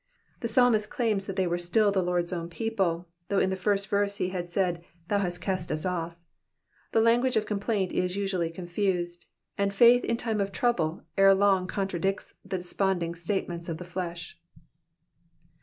The psalmist claims that they were still the Lord's own people, though in the first verse he had said, thou hast cast us off." The language of complaint is usually con fused, and faith in time of trouble ere long contradicts the desponding statements of the flesh.